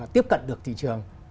tiếp cận được thị trường